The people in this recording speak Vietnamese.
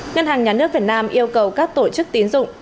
ngân hàng nhà nước việt nam yêu cầu các tổ chức tín dụng